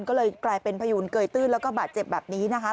ก็เลยกลายเป็นพยูนเกยตื้นแล้วก็บาดเจ็บแบบนี้นะคะ